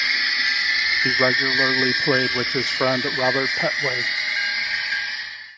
He regularly played with his friend Robert Petway.